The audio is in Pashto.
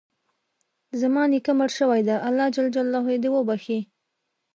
زما نیکه مړ شوی ده، الله ج د وبښي